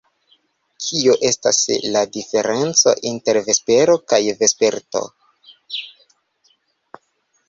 Kio estas la diferenco inter vespero kaj vesperto?